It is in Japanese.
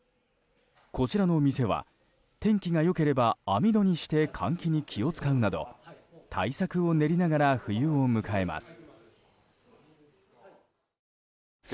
こちらの店は天気が良ければ網戸にして換気に気を使うなど対策を練りながら冬を迎えます。